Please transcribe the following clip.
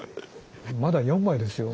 まだ４枚ですよ。